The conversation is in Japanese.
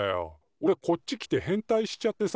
おれこっち来て変態しちゃってさ。